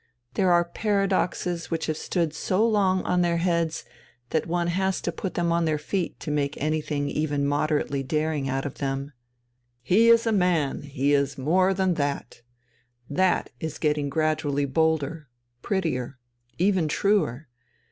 There are paradoxes which have stood so long on their heads that one has to put them on their feet to make anything even moderately daring out of them, 'He is a man. He is more than that' that is getting gradually bolder, prettier, even truer.